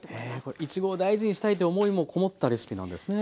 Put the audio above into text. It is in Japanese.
これいちごを大事にしたいという思いもこもったレシピなんですね。